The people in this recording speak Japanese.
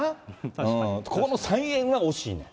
ここの３円が惜しいねん。